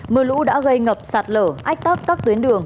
mưa lũ đã gây ngập sạt lở ách tắt các tuyến đường